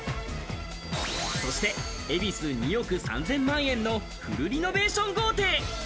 そして、恵比寿２億３０００万円のフルリノベーション豪邸。